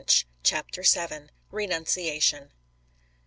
CHAPTER VII. RENUNCIATION.